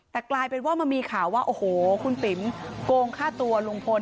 แต่กลายเป็นว่ามันมีข่าวว่าโอ้โหคุณติ๋มโกงฆ่าตัวลุงพล